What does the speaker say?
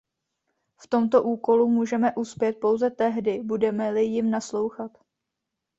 V tomto úkolu můžeme uspět pouze tehdy, budeme-li jim naslouchat.